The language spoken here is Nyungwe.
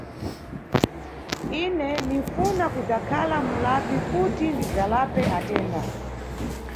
Ine ninʼfuna kudzakhala mulapi kuti ndidzalape atenda.